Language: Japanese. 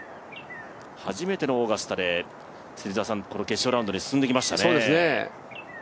初めてのオーガスタでこの決勝ラウンドに進んできましたね。